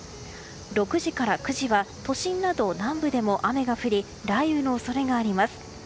６時から９時は都心など南部でも雨が降り雷雨の恐れがあります。